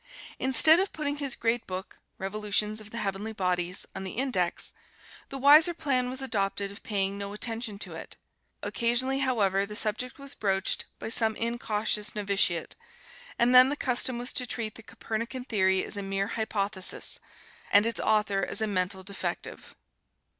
Instead of putting his great book, "Revolutions of the Heavenly Bodies," on the "Index," the wiser plan was adopted of paying no attention to it. Occasionally, however, the subject was broached by some incautious novitiate, and then the custom was to treat the Copernican Theory as a mere hypothesis, and its author as a mental defective.